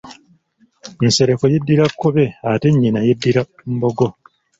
Nsereko yeddira Kkobe ate nnyina yeddira Mbogo.